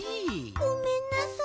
ごめんなさい。